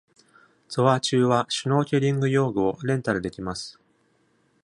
ツアー中はシュノーケリング用具をレンタルできます。